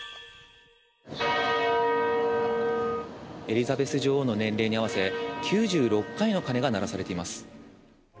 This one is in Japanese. エリザベス女王の年齢に合わせ、９６回の鐘が鳴らされています。